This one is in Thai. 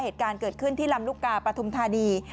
เหตุการณ์เกิดขึ้นที่ลำลูกกาปฐุมธานี